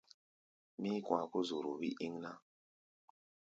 Mí̧í̧-kɔ̧a̧ kó zoro wí íŋ ná.